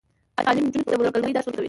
تعلیم نجونو ته د ورورګلوۍ درس ورکوي.